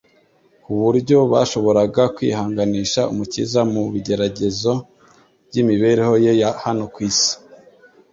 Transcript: ku buryo bashoboraga kwihanganisha Umukiza mu bigeragezo by'imibereho ye ya hano ku isi.